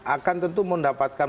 akan tentu mendapatkan